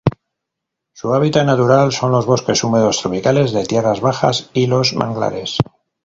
Su hábitat natural son los bosques húmedos tropicales de tierras bajas y los manglares.